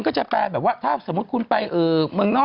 กันชาอยู่ในนี้